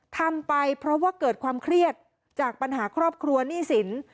ทำไปเพราะว่าเกิดความเครียดจากปัญหาครอบครัวหนี้สิน